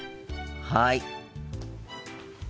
はい。